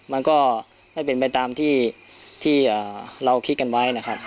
มันก็ไม่เป็นไปตามที่เราคิดกันไว้นะครับ